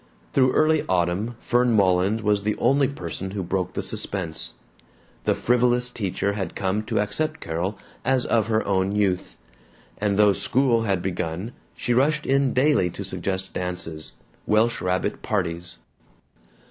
Through early autumn Fern Mullins was the only person who broke the suspense. The frivolous teacher had come to accept Carol as of her own youth, and though school had begun she rushed in daily to suggest dances, welsh rabbit parties.